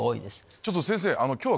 ちょっと先生。